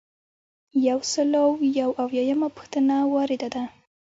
یو سل او یو اویایمه پوښتنه وارده ده.